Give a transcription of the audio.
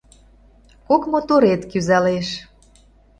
Кок моторет кӱзалеш.